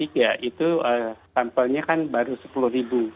ya itu sampelnya kan baru sepuluh ribu